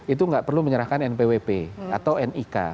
itu nggak perlu menyerahkan npwp atau nik